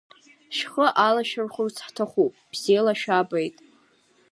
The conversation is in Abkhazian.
Шәхы алашәырхәырц ҳҭахуп, бзиала шәаабеит!